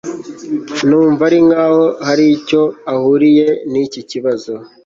numva ari nkaho hari icyo ahuriye niki kibazo